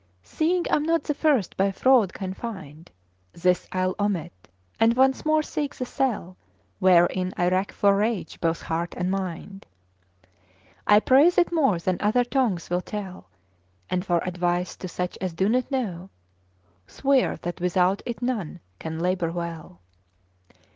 Seeing I'm not the first by fraud confined, This I'll omit; and once more seek the cell Wherein I rack for rage both heart and mind. I praise it more than other tongues will tell; And, for advice to such as do not know, Swear that without it none can labour well.